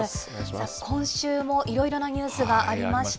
今週もいろいろなニュースがありました。